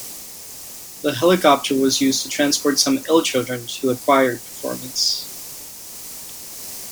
The helicopter was used to transport some ill children to a choir performance.